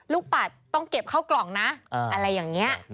ปัดต้องเก็บเข้ากล่องนะอะไรอย่างนี้